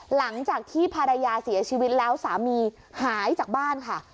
หลังจากที่ภรรยาเสียชีวิตแล้วสามีหายจากบ้านค่ะ